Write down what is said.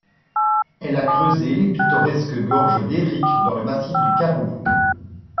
Elle a creusé les pittoresques Gorges d'Héric dans le Massif du Caroux.